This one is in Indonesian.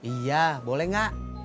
iya boleh enggak